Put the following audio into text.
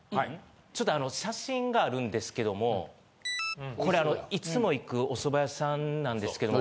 ちょっとあの写真があるんですけどもこれあのいつも行くおそば屋さんなんですけども。